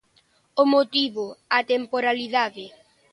O motivo, a temporalidade.